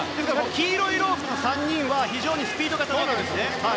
黄色いレープの３人は非常にスピード型なんですね。